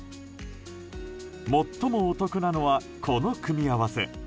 最もお得なのはこの組み合わせ。